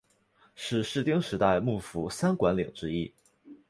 是室町时代幕府三管领之一。